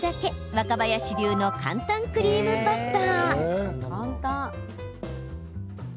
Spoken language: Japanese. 若林流の簡単クリームパスタ。